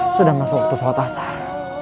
sudah masa waktu sholat asal